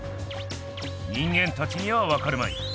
人間たちにはわかるまい。